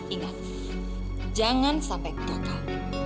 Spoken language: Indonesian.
ingat jangan sampai gagal